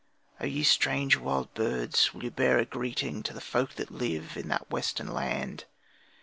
Oh! ye strange wild birds, will ye bear a greeting To the folk that live in that western land?